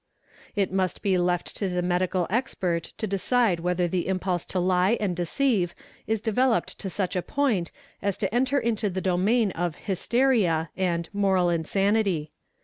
It must be left to the medical expert to decide whether the impulse to lie and deceive is developed t such a point as to enter into the domain of "hysteria"? and " mora insanity."